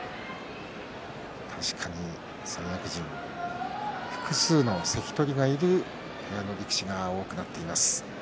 確かに三役陣複数の関取がいる部屋の力士が多くなっています。